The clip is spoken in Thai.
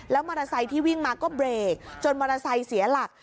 มอเตอร์ไซค์ที่วิ่งมาก็เบรกจนมอเตอร์ไซค์เสียหลัก